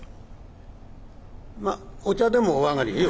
まぁお茶でもおあがりよ」。